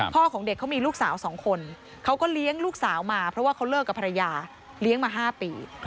ของเด็กเขามีลูกสาว๒คนเขาก็เลี้ยงลูกสาวมาเพราะว่าเขาเลิกกับภรรยาเลี้ยงมา๕ปี